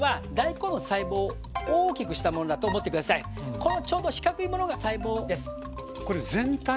このちょうど四角いものが細胞です。